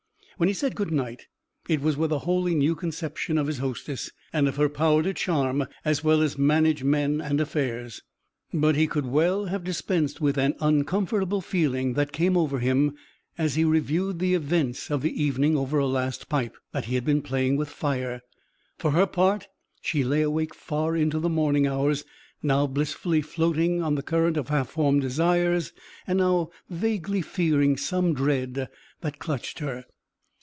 When he said good night it was with a wholly new conception of his hostess, and of her power to charm as well as manage men and affairs; but he could well have dispensed with an uncomfortable feeling that came over him as he reviewed the events of the evening over a last pipe, that he had been playing with fire. For her part, she lay awake far into the morning hours, now blissfully floating on the current of half formed desires, now vaguely fearing some dread that clutched her.